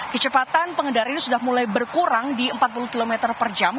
kecepatan pengendara ini sudah mulai berkurang di empat puluh km per jam